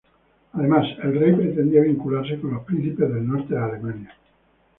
Además, el rey pretendía vincularse con los príncipes del norte de Alemania.